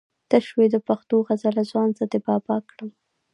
ته شوې د پښتو غزله ځوان زه دې بابا کړم